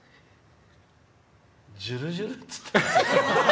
「じゅるじゅる」っていって。